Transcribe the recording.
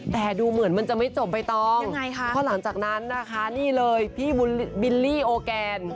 แต่ดูเหมือนมันจะไม่จบไปต่อข้อหลังจากนั้นนะคะนี่เลยพี่บิลลี่โอแกน